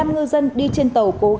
một mươi năm ngư dân đi trên tàu